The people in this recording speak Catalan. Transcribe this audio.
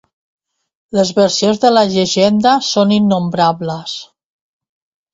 Les versions de la llegenda són innombrables.